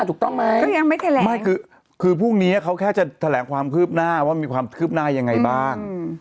ถูกต้องไหมก็ยังไม่แถลงไม่คือคือพรุ่งนี้เขาแค่จะแถลงความคืบหน้าว่ามีความคืบหน้ายังไงบ้าง